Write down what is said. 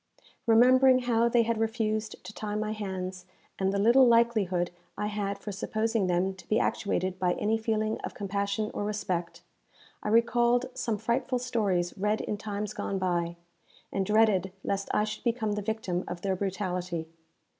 Remembering how they had refused to tie my hands, and the little likelihood I had for supposing them to be actuated by any feeling of compassion or respect, I recalled some frightful stories read in times gone by, and dreaded lest I should become the victim of their brutality.